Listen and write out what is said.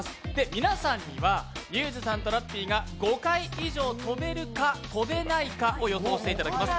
皆さんにはゆーづさんとラッピーが５回以上跳べるか跳べないかを予想していただきます。